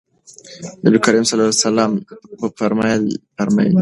نبي کريم صلی الله عليه وسلم فرمايلي دي: